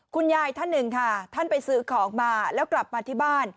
คุณยายท่านหนึ่งไปซื้อของมาแล้วกลับมาที่บ้าน